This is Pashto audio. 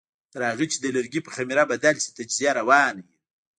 تر هغه چې د لرګي په خمېره بدل شي تجزیه روانه وي.